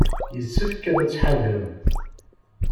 Yessefk ad tḥadrem.